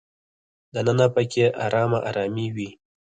دننه په کې ارامه ارامي وي.